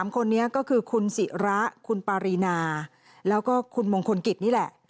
คนนี้ก็คือคุณศิระคุณปารีนาแล้วก็คุณมงคลกิจนี่แหละ